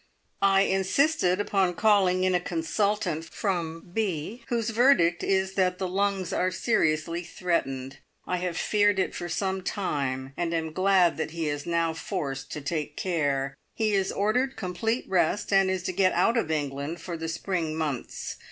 I insisted upon calling in a consultant from B , whose verdict is that the lungs are seriously threatened. I have feared it for some time, and am glad that he is now forced to take care. He is ordered complete rest, and is to get out of England for the spring months.